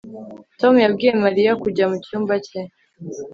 Tom yabwiye Mariya kujya mucyumba cye